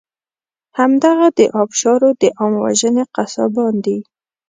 همدغه د آبشارو د عام وژنې قصابان دي.